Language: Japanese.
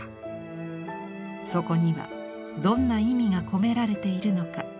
そこにはどんな意味が込められているのか。